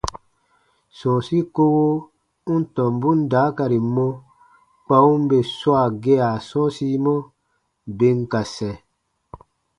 Sɔ̃ɔsi kowo u n tɔmbun daakari mɔ kpa u n bè swaa gea sɔ̃ɔsimɔ, bè n ka sɛ̃.